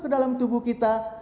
ke dalam tubuh kita